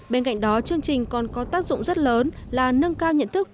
bên cạnh đó chương trình còn có tác dụng rất lớn là nâng cao nhận thức